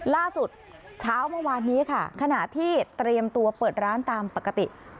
ล่าสุดเช้าเมื่อวานนี้ค่ะขณะที่เตรียมตัวเปิดร้านตามปกติ